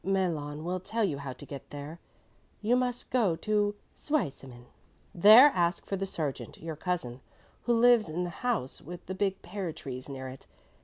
Malon will tell you how to get there. You must go to Zweisimmen. There ask for the sergeant, your cousin, who lives in the house with the big pear trees near it.